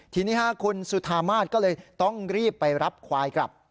ทีนี้คุณสุธามาศก็เลยต้องรีบไปรับควายกลับ